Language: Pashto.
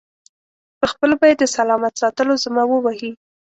پخپله به یې د سلامت ساتلو ذمه و وهي.